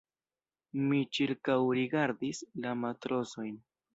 Mi ĉirkaŭrigardis la matrosojn.